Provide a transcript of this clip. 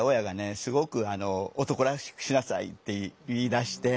すごく「男らしくしなさい」って言いだして。